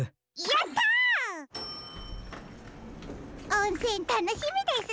おんせんたのしみですね。